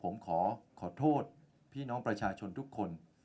ผมขอขอโทษพี่น้องประชาชนทุกคน